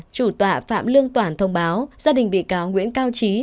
chủ tọa phạm lương toản thông báo gia đình bị cáo nguyễn cao trí